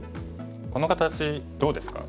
この形どうですか？